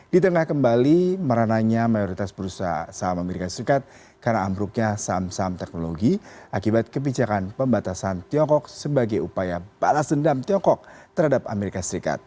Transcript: di tengah kembali merananya mayoritas bursa saham as karena ambruknya saham saham teknologi akibat kebijakan pembatasan tiongkok sebagai upaya balas dendam tiongkok terhadap as